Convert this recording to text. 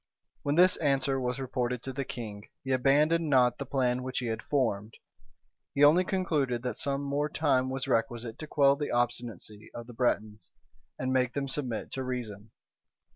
When this answer was reported to the king, he abandoned not the plan which he had formed; he only concluded that some more time was requisite to quell the obstinacy of the Bretons, and make them submit to reason.